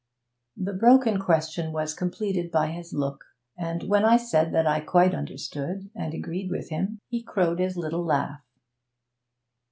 The broken question was completed by his look, and when I said that I quite understood and agreed with him he crowed his little laugh.